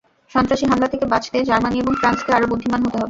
সন্ত্রাসী হামলা থেকে বাঁচতে জার্মানি এবং ফ্রান্সকে আরও বুদ্ধিমান হতে হবে।